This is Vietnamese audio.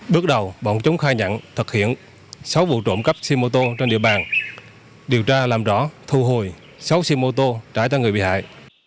bước đầu bọn chúng khai nhận thực hiện sáu vụ trộm cắp xe mô tô trên địa bàn điều tra làm rõ thu hồi sáu xe mô tô trả cho người bị hại